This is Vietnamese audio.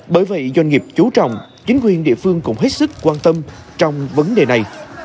bởi vậy doanh nghiệp chú trọng chính quyền địa phương cũng hết sức quan tâm trong vấn đề này